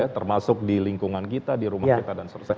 termasuk di lingkungan kita di rumah kita dan sebagainya